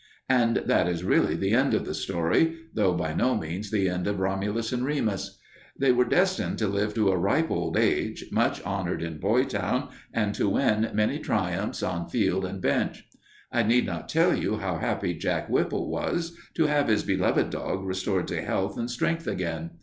And that is really the end of the story, though by no means the end of Romulus and Remus. They were destined to live to a ripe old age, much honored in Boytown, and to win many triumphs on field and bench. I need not tell you how happy Jack Whipple was to have his beloved dog restored to health and strength again.